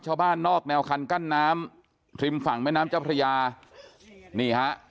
ชาวบ้านนอกแนวคันกั้นน้ำริมฝั่งแม่น้ำเจ้าพระยานี่ฮะ